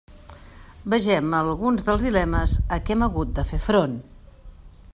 Vegem alguns dels dilemes a què hem hagut de fer front.